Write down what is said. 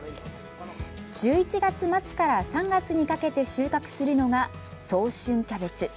１１月末から３月にかけて収穫するのが、早春キャベツ。